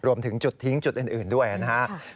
รวมถึงจุดทิ้งจุดอื่นด้วยนะครับ